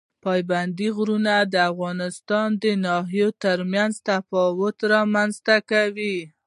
پابندی غرونه د افغانستان د ناحیو ترمنځ تفاوتونه رامنځ ته کوي.